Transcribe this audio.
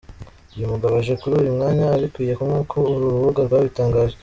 Uyu mugabo aje kuri uyu mwanya abikwiye nkuko uru rubuga rwabitangaje.